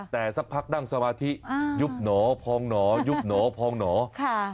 แต่สักพักนั่งสมาธิยุบหนอพองหนอยุบหนอพองหนอค่ะ